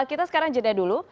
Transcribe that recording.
kita sekarang jeda dulu